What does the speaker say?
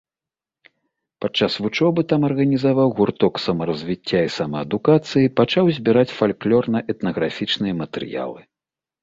Падчас вучобы там арганізаваў гурток самаразвіцця і самаадукацыі, пачаў збіраць фальклорна-этнаграфічныя матэрыялы.